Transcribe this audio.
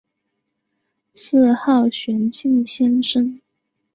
自号玄静先生。